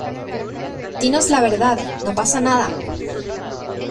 dinos la verdad. no pasa nada .